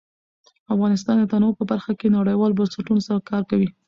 افغانستان د تنوع په برخه کې نړیوالو بنسټونو سره کار کوي.